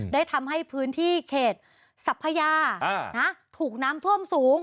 ได้ทำให้พื้นที่เขตสัพพยาถูกน้ำท่วมสูง